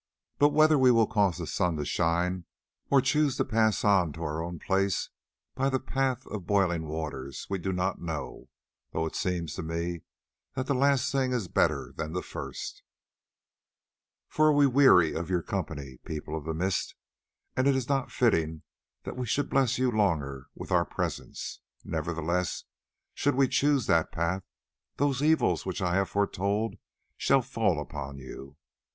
But whether we will cause the sun to shine or choose to pass to our own place by the path of boiling waters, we do not know, though it seems to me that the last thing is better than the first, for we weary of your company, People of the Mist, and it is not fitting that we should bless you longer with our presence. Nevertheless, should we choose that path, those evils which I have foretold shall fall upon you.